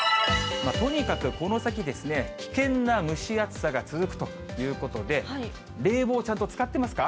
とにかくこの先、危険な蒸し暑さが続くということで、冷房ちゃんと使ってますか？